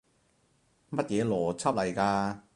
乜嘢邏輯嚟㗎？